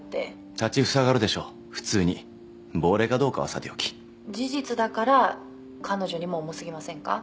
立ちふさがるでしょう普通に亡霊かどうかはさておき「事実だから彼女にも重すぎませんか？」